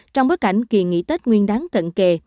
trong bối cảnh kỳ nghỉ tết nguyên đáng cận kề